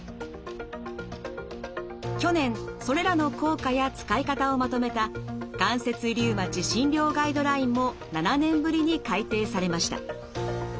去年それらの効果や使い方をまとめた「関節リウマチ診療ガイドライン」も７年ぶりに改訂されました。